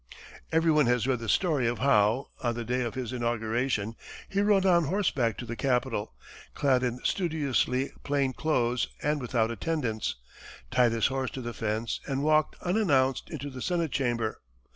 Everyone has read the story of how, on the day of his inauguration, he rode on horseback to the capitol, clad in studiously plain clothes and without attendants, tied his horse to the fence, and walked unannounced into the Senate chamber.